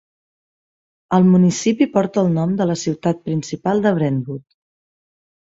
El municipi porta el nom de la ciutat principal de Brentwood.